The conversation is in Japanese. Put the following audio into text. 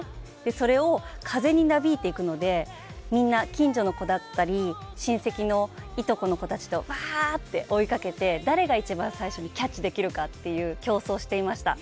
それを風になびいていくのでみんな、近所の子だったり親戚のいとこの子たちとわーって追いかけて誰が一番最初にキャッチできるかという競争をしていました。